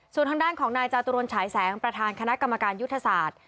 ส่วนทางด้านของนายจาตุรนฉายแสงประธานคณะกรรมการยุทธศาสตร์